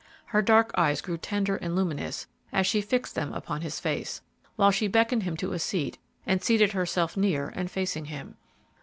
Her dark eyes grew tender and luminous as she fixed them upon his face, while she beckoned him to a seat and seated herself near and facing him.